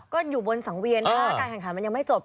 ก็อยู่บนสังเวียนถ้าการแข่งขันมันยังไม่จบ